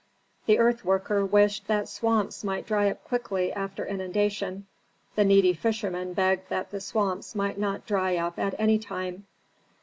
The earth worker wished that swamps might dry up quickly after inundation; the needy fisherman begged that the swamps might not dry up at any time.